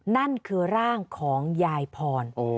นั่นคือร่างของยายพร